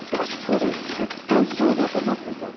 俺絶対そうだと思ってた。